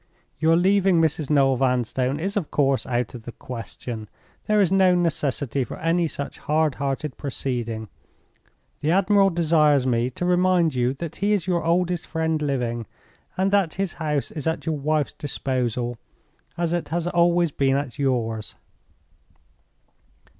Your leaving Mrs. Noel Vanstone is of course out of the question. There is no necessity for any such hard hearted proceeding. The admiral desires me to remind you that he is your oldest friend living, and that his house is at your wife's disposal, as it has always been at yours.